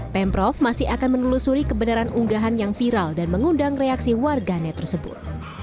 pemprov masih akan menelusuri kebenaran unggahan yang viral dan mengundang reaksi warganet tersebut